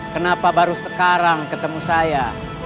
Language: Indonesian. kenapa baru sekarang ketemu saya